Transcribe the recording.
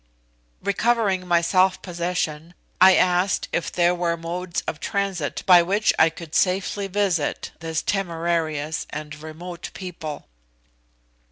Recovering my self possession, I asked if there were modes of transit by which I could safely visit this temerarious and remote people.